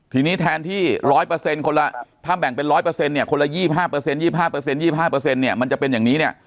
ทีนี้แทนที่๑๐๐คนละถ้าแบ่งเป็น๑๐๐เนี่ยคนละ๒๕๒๕เนี่ยมันจะเป็นอย่างนี้เนี่ย